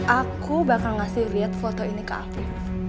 aku bakal ngasih lihat foto ini ke aku